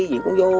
gì cũng vô